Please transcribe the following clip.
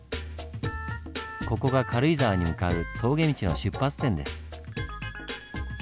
ここが軽井沢に向かう峠道の出発点です。